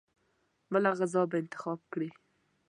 بله غذا به انتخاب کړي.